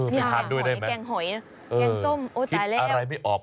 ไปทานด้วยได้ไหมแกงหอยแกงส้มโอ้ตายแล้วคิดอะไรไม่ออก